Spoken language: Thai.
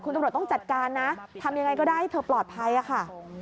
คุณตำรวจต้องจัดการนะทำยังไงก็ได้ให้เธอปลอดภัยค่ะ